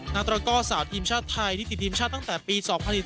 ตระก้อสาวทีมชาติไทยที่ติดทีมชาติตั้งแต่ปี๒๐๑๙